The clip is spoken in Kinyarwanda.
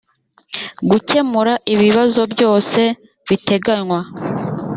gukemura ibibazo byose biteganywa